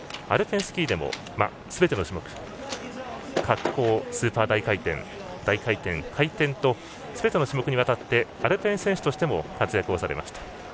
アルペンスキーでもすべての種目滑降、スーパー大回転大回転、回転とすべての種目にわたってアルペン選手としても活躍されました。